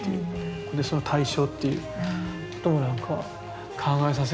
それでその対象っていうことなのか考えさせるんだ。